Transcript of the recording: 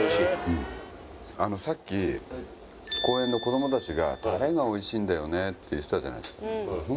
あのさっき公園で子ども達がタレがおいしいんだよねって言ってたじゃないですか